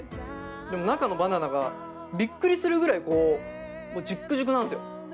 でも中のバナナがびっくりするぐらいこうジュックジュクなんですよ。